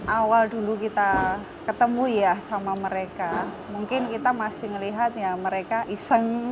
awal dulu kita ketemu ya sama mereka mungkin kita masih melihat ya mereka iseng